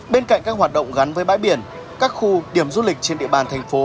bên cạnh các hoạt động gắn với bãi biển các khu điểm du lịch trên địa bàn thành phố